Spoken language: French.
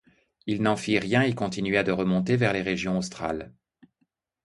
Il n’en fit rien et continua de remonter vers les régions australes.